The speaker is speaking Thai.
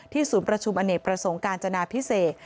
ศูนย์ประชุมอเนกประสงค์การจนาพิเศษ